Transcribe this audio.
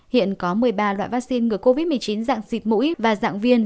hiện có một mươi ba loại vaccine ngừa covid một mươi chín dạng xịt mũi và dạng viên